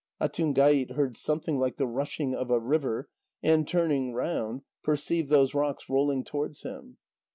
Atungait heard something like the rushing of a river, and turning round, perceived those rocks rolling towards him.